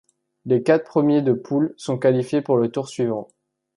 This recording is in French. Les quatre premiers de poule sont qualifiés pour le tour suivant.